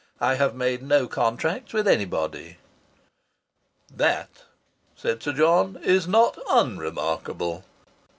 I have made no contracts with anybody." "That," said Sir John, "is not unremarkable.